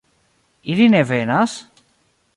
Ili ne venas?